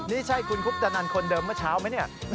นี่ใช่คุณคุปตะนันคนเดิมเมื่อเช้าไหมเนี่ย